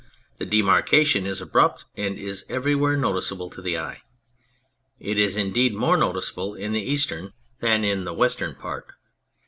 The demarkation is abrupt and is everywhere noticeable to the eye. It is indeed more noticeable in the eastern than in the 161 M On Anything western part.